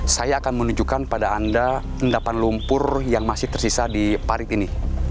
saya akan menunjukkan pada anda endapan lumpur yang masih tersisa di parit ini